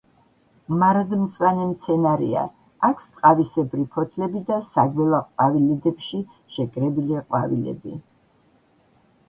მარადმწვანე მცენარეა, აქვს ტყავისებრი ფოთლები და საგველა ყვავილედებში შეკრებილი ყვავილები.